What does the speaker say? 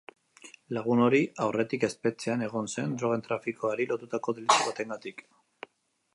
Lagun hori aurretik espetxean egon zen drogen trafikoari lotutako delitu batengatik.